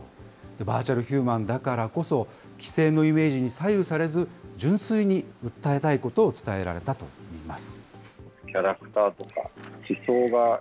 バーチャルヒューマンだからこそ、既成のイメージに左右されず、純粋に訴えたいことを伝えられたといいます。